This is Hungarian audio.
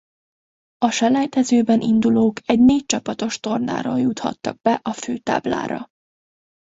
A selejtezőben indulók egy négy csapatos tornáról juthattak be a főtáblára.